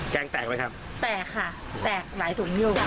แกงแตกไหมครับแตกค่ะแตกหลายถุงอยู่